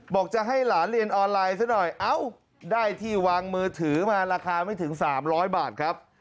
บอกจะให้หลานเรียนออนไลน์ซะหน่อยเอ้าได้ที่วางมือถือมาราคาไม่ถึง๓๐๐บาทครับ